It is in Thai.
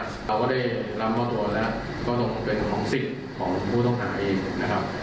เราก็ได้รับมอบตัวแล้วก็ลงเป็นของสิทธิ์ของผู้ต้องหาเองนะครับ